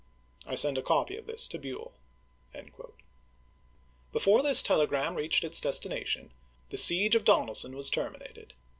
I send a copy of this to BueU. p.* 624. '' Before this telegram reached its destination, the siege of Donelson was terminated.